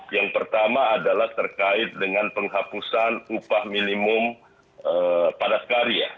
yang pertama adalah terkait dengan penghapusan upah minimum padat karya